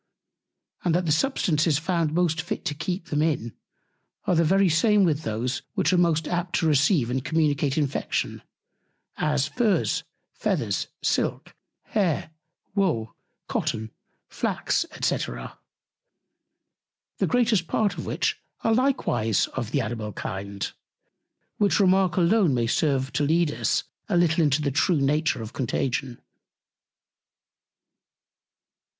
and that the Substances found most fit to keep them in, are the very same with those which are most apt to receive and communicate Infection, as, Furrs, Feathers, Silk, Hair, Wool, Cotton, Flax, &c. the greatest Part of which are likewise of the Animal Kind; which Remark alone may serve to lead Us a little into the true Nature of Contagion.